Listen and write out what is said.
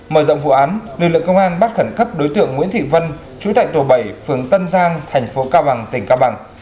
mở rộng vụ án lực lượng công an bắt khẩn cấp đối tượng nguyễn thị vân chú tại tổ bảy phường tân giang thành phố cao bằng tỉnh cao bằng